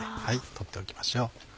取っておきましょう。